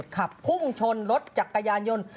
ขับพุ่งชนรถจักรยานยนต์